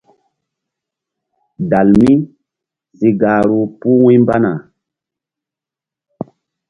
Dalmi si gahru puh wu̧ymbana.